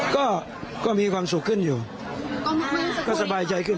ก็ก็มีความสุขขึ้นอยู่ก็สบายใจขึ้น